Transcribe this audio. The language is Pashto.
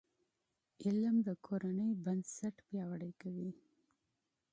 علم د کورنۍ بنسټ پیاوړی کوي.